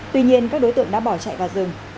tuy nhiên các đối tượng đã bỏ chạy vào rừng